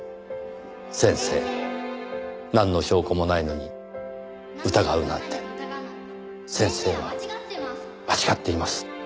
先生なんの証拠もないのに疑うなんて先生は間違っています。